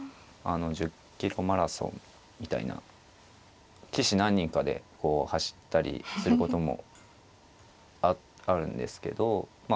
キロマラソンみたいな棋士何人かで走ったりすることもあるんですけどま